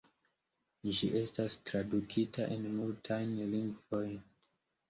Ĝi estas tradukita en multajn lingvojn.